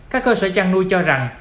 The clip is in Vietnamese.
các cơ sở chăn nuôi cho rằng